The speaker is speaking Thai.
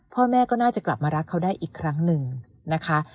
พ่อแม่ก็น่าจะกลับมารักเขาได้อีกครั้งหนึ่งนะคะ